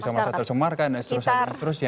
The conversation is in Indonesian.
bisa merasa tercemarkan dan seterusnya